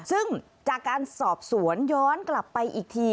ซึ่งจากการสอบสวนย้อนกลับไปอีกที